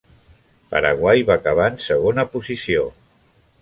Paraguai va acabar en segona posició.